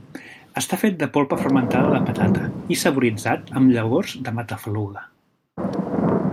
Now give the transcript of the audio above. Està fet de polpa fermentada de patata, i saboritzat amb llavors de matafaluga.